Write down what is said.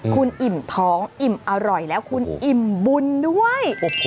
คุณอิ่มท้องอิ่มอร่อยแล้วคุณอิ่มบุญด้วย